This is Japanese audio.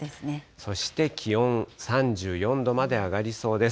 そして気温３４度まで上がりそうです。